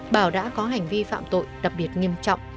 bảo đã có hành vi phạm tội đặc biệt nghiêm trọng